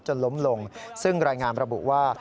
ล้มลงซึ่งรายงานระบุว่า